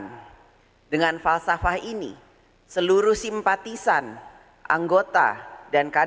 hai dengan dengan kekuasaan kita harus menunggu sampai keesokan setelah kita lakukan tujuan yang api dan keesokan kita harus menunggu sampai keesokan